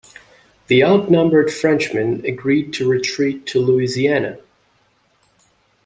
The outnumbered Frenchmen agreed to retreat to Louisiana.